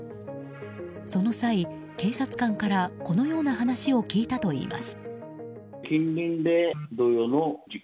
その際、警察官からこのような話を聞いたといいます。